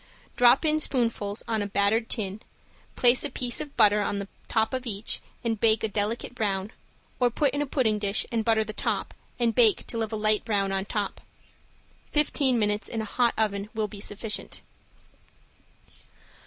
Drop in spoonfuls on a buttered tin, place a piece of butter on the top of each and bake a delicate brown or put in a pudding dish and butter the top and bake till of a light brown on top. Fifteen minutes in a hot oven will be sufficient.